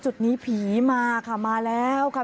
จุดนี้ผีมาค่ะมาแล้วค่ะ